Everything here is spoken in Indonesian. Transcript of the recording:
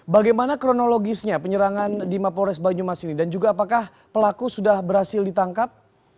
bagaimana kronologisnya penyerangan di mapolres banyumas ini dan juga apakah pelaku sudah berhasil ditangkap